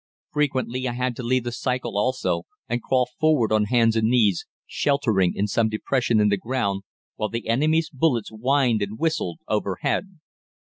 Frequently I had to leave the cycle also, and crawl forward on hands and knees, sheltering in some depression in the ground, while the enemy's bullets whined and whistled overhead.